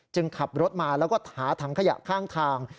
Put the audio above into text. ขับรถมาแล้วก็หาถังขยะข้างทาง